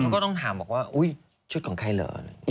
ก็ต้องถามชุดของใคร